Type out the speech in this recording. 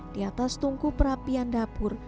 di atas tungku perapian dapur